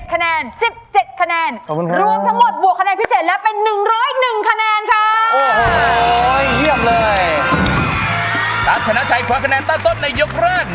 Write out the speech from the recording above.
๑๖คะแนน๑๗คะแนน๑๗คะแนน